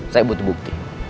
saya butuh bukti